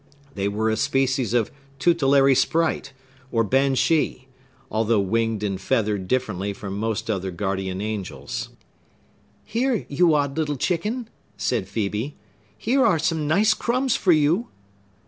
They were a species of tutelary sprite, or Banshee; although winged and feathered differently from most other guardian angels. "Here, you odd little chicken!" said Phœbe; "here are some nice crumbs for you!"